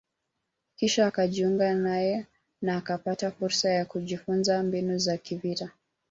kisha akajiunga naye na akapata fursa ya kujifunza mbinu za kivita